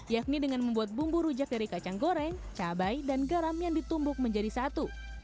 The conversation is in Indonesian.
yakni dengan membuat bumbu rujak dari kacang goreng cabai dan garam yang ditumbuk menjadi satu